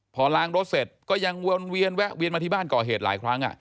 พอล้างรถเสร็จก็ยังเวียนมาที่บ้านก่อเหตุหลายครั้ง